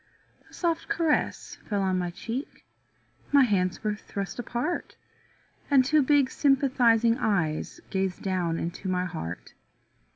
A soft caress fell on my cheek, My hands were thrust apart. And two big sympathizing eyes Gazed down into my heart.